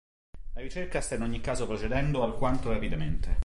La ricerca sta in ogni caso procedendo alquanto rapidamente.